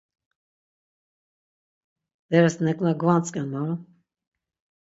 Beres neǩna gvantzǩen moro.